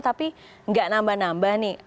tapi nggak nambah nambah nih